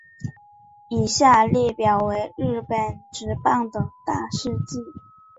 以下列表为日本职棒的大事纪。